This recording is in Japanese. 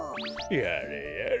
やれやれ。